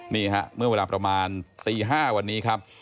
นี่ฮะเมื่อเวลาประมาณตี๕วันนี้ครับ